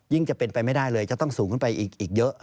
จะเป็นไปไม่ได้เลยจะต้องสูงขึ้นไปอีกเยอะ